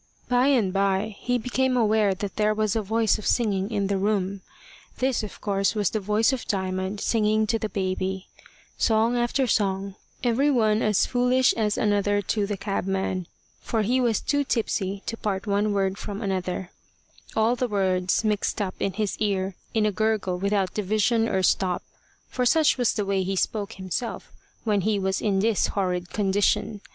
By and by he became aware that there was a voice of singing in the room. This, of course, was the voice of Diamond singing to the baby song after song, every one as foolish as another to the cabman, for he was too tipsy to part one word from another: all the words mixed up in his ear in a gurgle without division or stop; for such was the way he spoke himself, when he was in this horrid condition.